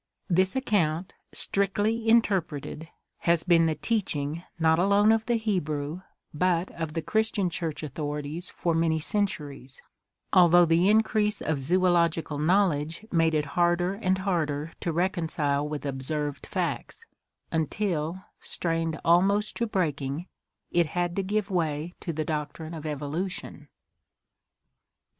This account, strictly interpreted, has been the teaching, not alone of the Hebrew, but of the Christian church authorities for many centuries, al though the increase of zoological knowledge made it harder and harder to reconcile with observed facts, until, strained almost to breaking, it had to give way to the doctrine of Evolution.